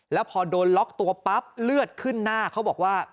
แล้วพอโดนล็อกตัวปั๊บเลือดขึ้นหน้าเขาบอกว่า